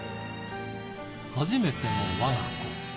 初めてのわが子。